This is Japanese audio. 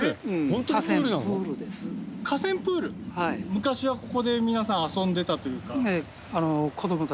昔はここで皆さん遊んでたというか。